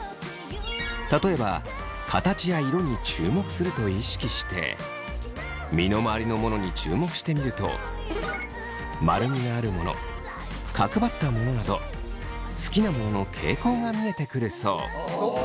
例えば形や色に注目すると意識して身の回りの物に注目してみると丸みがある物角張った物など好きな物の傾向が見えてくるそう。